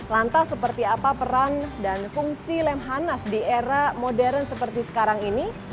lantas seperti apa peran dan fungsi lemhanas di era modern seperti sekarang ini